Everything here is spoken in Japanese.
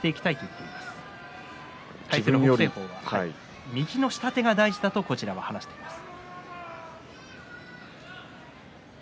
北青鵬は右の下手が大事だと話しています。